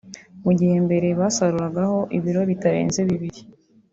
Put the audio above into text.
mu gihe mbere basaruragaho ibiro bitarenze bibiri